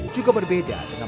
juga berbeda dengan